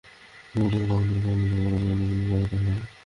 দূর থেকে পাওয়া কোনো তথ্য আপনার যাবতীয় কর্মকাণ্ডের জন্য সহায়ক হবে।